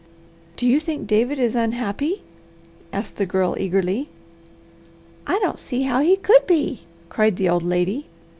"Do you think David is unhappy?" asked the Girl eagerly. "I don't see how he could be!" cried the old lady.